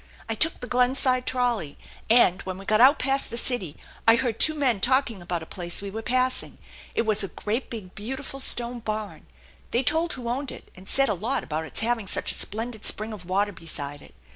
I took the Glenside trolley ; and, when we got out past the city, I heard two men talking about a place we were passing. It was a great big, beautiful stone barn. They told who owned it, and said a lot about its having such a splendid spring of water beside it.